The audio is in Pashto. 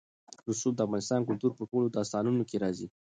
رسوب د افغان کلتور په ټولو داستانونو کې راځي.